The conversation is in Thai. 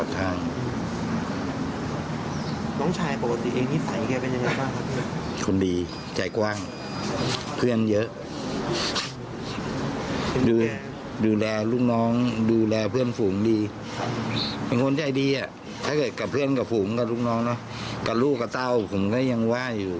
ถ้าเกิดกับเพื่อนกับผูงกับลูกน้องนะกับลูกกับเต้าผมก็ยังว่าอยู่